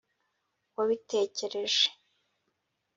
wabitekereje